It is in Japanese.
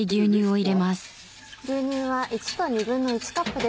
牛乳は１と１／２カップです。